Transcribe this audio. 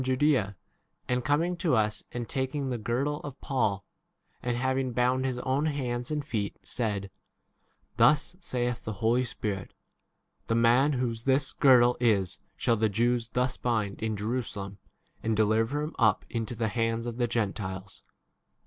adds 'Paul, and we that were 11 and coming to us and taking the girdle of Paul, and having bound his own hands and feet, said, Thus saith the Holy Spirit, The man whose this girdle is shall the Jews thus bind in Jerusalem, and deliver him up into the hands of [the] 12 Gentiles.